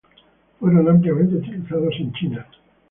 Fueron ampliamente utilizados en China.